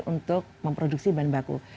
untuk memproduksi bahan baku